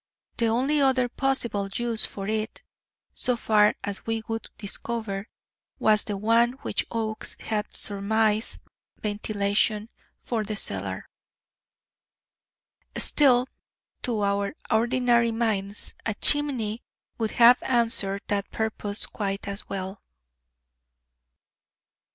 The only other possible use for it, so far as we could discover, was the one which Oakes had surmised ventilation for the cellar. Still, to our ordinary minds, a chimney would have answered that purpose quite as well.